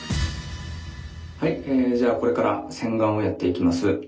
はいじゃあこれから洗顔をやっていきます。